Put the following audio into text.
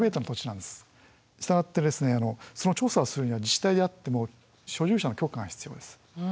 従ってその調査をするには自治体であっても所有者の許可が必要です。